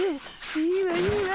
いいわいいわ！